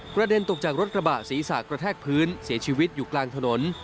เด็นตกจากรถกระบะศีรษะกระแทกพื้นเสียชีวิตอยู่กลางถนน